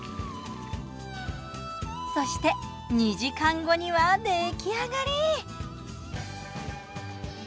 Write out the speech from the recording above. そして２時間後には出来上がり！